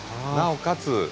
なおかつ